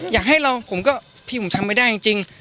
อยากให้เราผมก็พี่ผมทำไม่ได้จริง